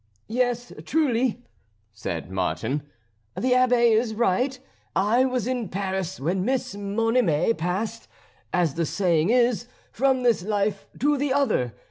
"Yes, truly," said Martin, "the Abbé is right. I was in Paris when Miss Monime passed, as the saying is, from this life to the other.